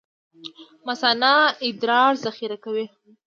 مثانه ادرار ذخیره کوي